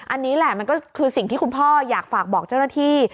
อันนี้แหละมันก็คือสิ่งที่คุณพ่ออยากฝากบอกเจ้าหน้าที่